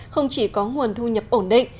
không chỉ có nguồn thu nhập ổn định